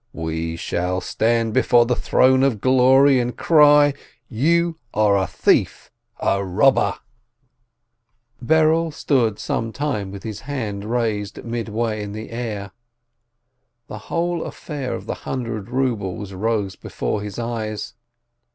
We shall stand before the Throne of Glory and cry : You are a thief, a robber! YOM KIPPUE 193 Berel stood some time with his hand raised midway in the air. The whole affair of the hundred rubles rose before his eyes.